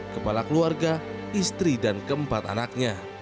kepala keluarga istri dan keempat anaknya